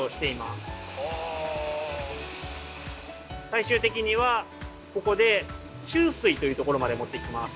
最終的にはここで中水というところまで持っていきます。